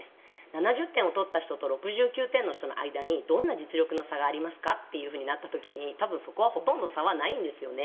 ７０点を取った人と６９点の人の間にどんな実力の差がありますかというふうになった時多分そこは、ほとんど差はないんですよね。